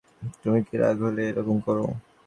তুমি কি রাগ হলেই এ রকম কর?